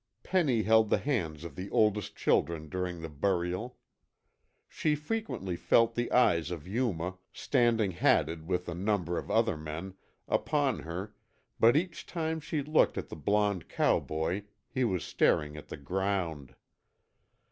Penny held the hands of the oldest children during the burial. She frequently felt the eyes of Yuma, standing unhatted with a number of other men, upon her, but each time she looked at the blond cowboy he was staring at the ground.